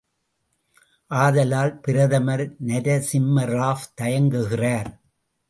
ஆதலால் பிரதமர் நரசிம்மராவ் தயங்குகிறார்.